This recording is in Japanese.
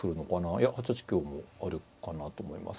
いや８八香もあるかなと思います。